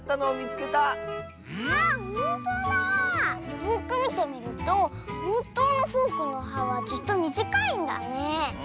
よくみてみるとほんとうのフォークの「は」はずっとみじかいんだねえ。